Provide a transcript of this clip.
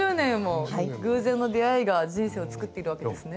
偶然の出会いが人生をつくっているわけですね。